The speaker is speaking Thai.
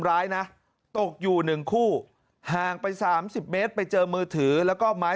ร้ายนะตกอยู่๑คู่ห่างไป๓๐เมตรไปเจอมือถือแล้วก็ไม้